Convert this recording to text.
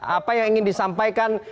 apa yang ingin disampaikan